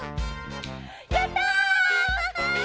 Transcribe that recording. やった！